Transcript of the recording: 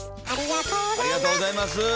ありがとうございます。